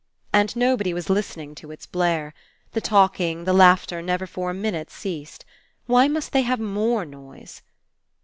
And nobody was listening to its blare. The talking, the laughter never for a minute ceased. Why must they have more noise?